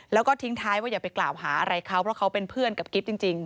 แล้วก็ทิ้งท้ายว่าอย่าไปกล่าวหาอะไรเขาเพราะเขาเป็นเพื่อนกับกิ๊บจริง